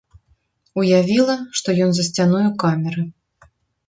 Уявіла, што ён за сцяною камеры.